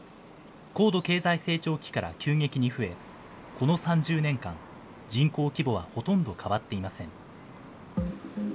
高度経済成長期から急激に増え、この３０年間、人口規模はほとんど変わっていません。